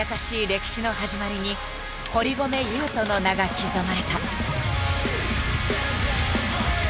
歴史の始まりに堀米雄斗の名が刻まれた。